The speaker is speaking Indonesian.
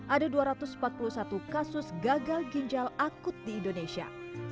ada dua ratus empat puluh satu kasus gagal ginjal akut di indonesia